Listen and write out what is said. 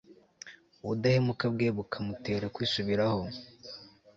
ubudahemuka bwe bukamutera kwisubiraho